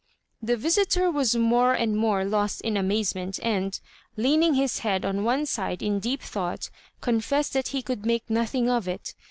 The visitor was more and more lost in amazement, and, leaning his head on one side in deep thought, confessed that he could make nothing of it.